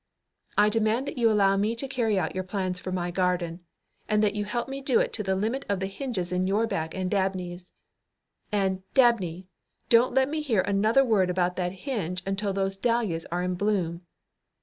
"I demand that you allow me to carry out your plans for my garden, and that you help me do it to the limit of the hinges in your back and Dabney's. And, Dabney, don't let me hear another word about that hinge until those dahlias are in bloom.